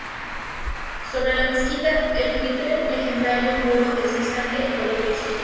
Sobre la mezquita, el Buitre Legendario en vuelo deslizante, en color gris oscuro.